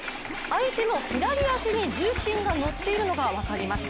相手の左足に重心が乗っているのが分かります。